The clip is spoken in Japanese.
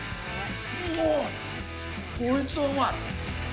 こいつはうまい！